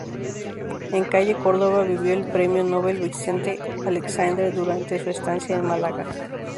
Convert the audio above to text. En calle Córdoba vivió el premio Nobel Vicente Aleixandre durante su estancia en Málaga.